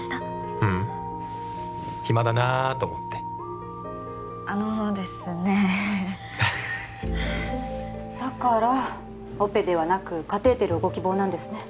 ううん暇だなと思ってあのですねだからオペではなくカテーテルをご希望なんですね